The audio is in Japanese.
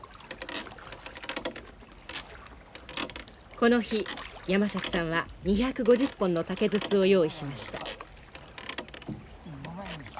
この日山崎さんは２５０本の竹筒を用意しました。